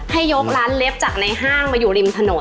ให้ยกร้านเล็บจากในห้างมาอยู่ริมถนน